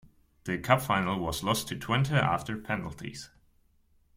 The cup final was lost to Twente after penalties.